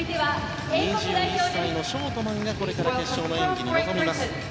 ２１歳のショートマンがこれから決勝の演技に臨みます。